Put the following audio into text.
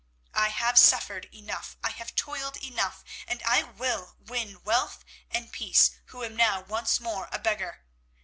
I have suffered enough, I have toiled enough, and I will win wealth and peace who am now once more a beggar.